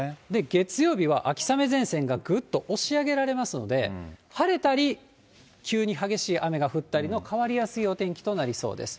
月曜日は秋雨前線が、ぐっと押し上げられますので、晴れたり、急に激しい雨が降ったりの、変わりやすいお天気となりそうです。